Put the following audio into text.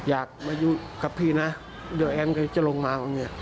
อยากมาอยู่กับพี่นะเดี๋ยวแอมก็จะลงมาตรงนี้